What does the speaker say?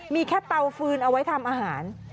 มีแค่เตาฟืนเอาไว้ทำอาหาร